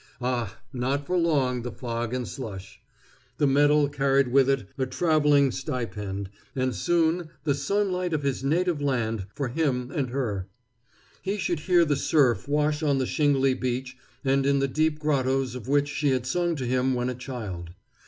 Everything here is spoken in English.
Ah, not for long the fog and slush! The medal carried with it a traveling stipend, and soon the sunlight of his native land for him and her. He should hear the surf wash on the shingly beach and in the deep grottoes of which she had sung to him when a child.